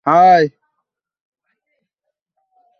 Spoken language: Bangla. বাসটিতে আগুন ছড়িয়ে পড়ার আগেই যাত্রীরা নিরাপদে বাস থেকে নেমে পড়ে।